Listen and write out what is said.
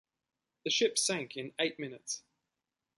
The ship sank in eight minutes.